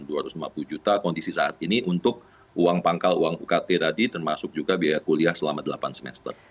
jadi kita harus memperbaiki kondisi saat ini untuk uang pangkal uang ukt tadi termasuk juga biaya kuliah selama delapan semester